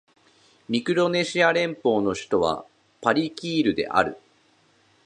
ミクロネシア連邦の首都はパリキールである